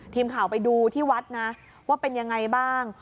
ทีมข่าวไปดูที่วัดนะว่าเป็นยังไงบ้าง